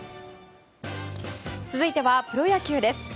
続いてはプロ野球です。